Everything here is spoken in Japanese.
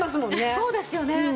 そうですよね。